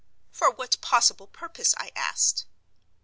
"For what possible purpose?" I asked.